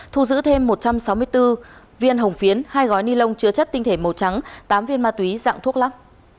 thu giữ thêm một trăm sáu mươi bốn viên hồng phiến hai gói ni lông chứa chất tinh thể màu trắng tám viên ma túy dạng thuốc lắc